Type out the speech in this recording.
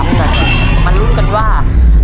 มารู้กันว่า